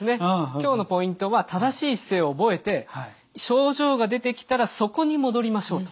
今日のポイントは正しい姿勢を覚えて症状が出てきたらそこに戻りましょうと。